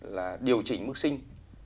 là điều chỉnh mức sinh